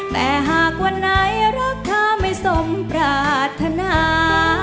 แต่หากวันไหนรักเธอไม่สมปรารถนา